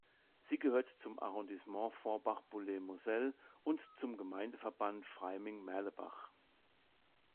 Sie gehört zum Arrondissement Forbach-Boulay-Moselle und zum Gemeindeverband Freyming-Merlebach.